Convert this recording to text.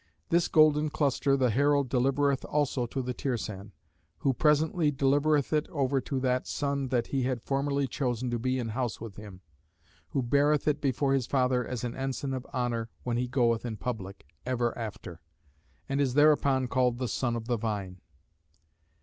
This golden cluster the herald delivereth also to the Tirsan; who presently delivereth it over to that son that he had formerly chosen to be in house with him: who beareth it before his father as an ensign of honour when he goeth in public, ever after; and is thereupon called the Son of the Vine.